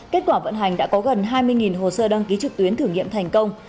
kết quả vận hành đã có gần hai mươi hồ sơ đăng ký trực tuyến thử nghiệm thành công